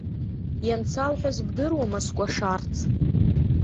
Иансалҳәаз бдыруама скәашарц?